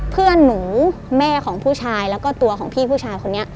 เพื่อนหนูแม่ของผู้ชายแล้วก็ตัวของพี่ผู้ชายคนนี้